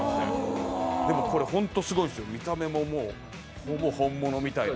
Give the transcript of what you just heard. でもこれホントすごいですよ、見た目もほぼ本物みたいな。